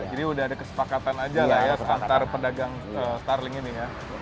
jadi sudah ada kesepakatan aja ya antara pedagang starling ini ya